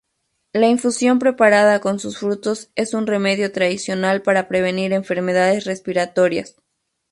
La infusión preparada con sus frutos es un remedio tradicional para prevenir enfermedades respiratorias.